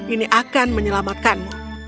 ini akan menyelamatkanmu